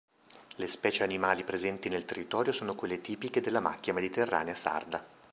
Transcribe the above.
Le specie animali presenti nel territorio sono quelle tipiche della macchia mediterranea sarda.